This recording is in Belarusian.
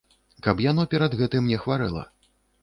Каб яно перад гэтым не хварэла.